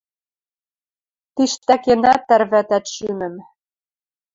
Тиштӓкенӓт тӓрвӓтӓт шӱмӹм...